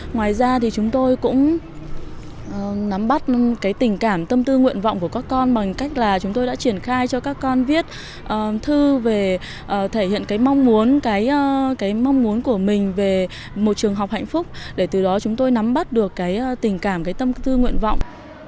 ngoài ra thì chúng tôi cũng nắm bắt tình cảm tâm tư nguyện vọng của các con bằng cách là chúng tôi đã triển khai cho các con viết thư về thể hiện mong muốn của mình về một trường học hạnh phúc để từ đó chúng tôi nắm bắt được tình cảm tâm tư nguyện vọng